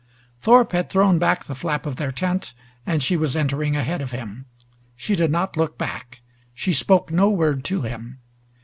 Thorpe had thrown back the flap of their tent, and she was entering ahead of him. She did not look back. She spoke no word to him.